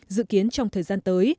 dự kiến trong thời gian tới